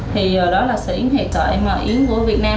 thì đó là sợi yến hiện tại mà yến của việt nam